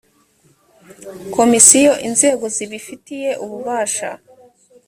komisiyo inzego zibifitiye ububasha